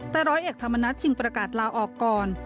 แต่ร้อยเอกธรรมนัฐจึงประกาศลาออกก่อน